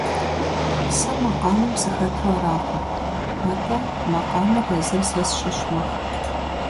Сэ макъамэм сыхэту аракъым, атӀэ макъамэр езыр сэ сщыщ мэхъу.